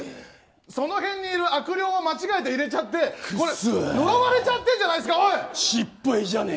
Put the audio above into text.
その辺にいる悪霊を間違えて入れちゃって呪われちゃってるじゃ失敗じゃねえか！